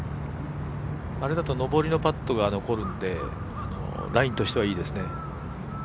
あれだと上りのパットが残るんでラインとしてはいいですね。